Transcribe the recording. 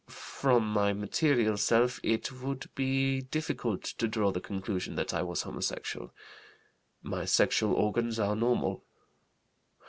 From my material self it would be difficult to draw the conclusion that I was homosexual. My sexual organs are normal.